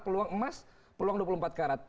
peluang emas peluang dua puluh empat karat